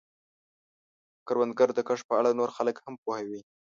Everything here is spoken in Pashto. کروندګر د کښت په اړه نور خلک هم پوهوي